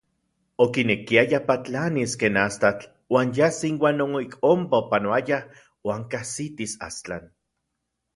Okinekiaya patlanis ken astatl uan yas inuan non ik onpa opanoayaj uan kajsitis Astlan.